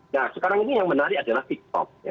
nah sekarang ini yang menarik adalah tiktok